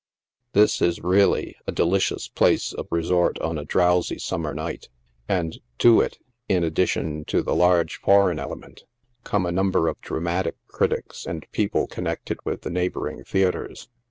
_ This is, really, a delicious place of resort on a drowsy summer night, and to it, in addition to the large foreign element, come a number of dramatic critics, and peo le" connected with the neighboring theatres.